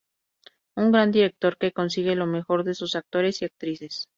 Un gran director que consigue lo mejor de sus actores y actrices.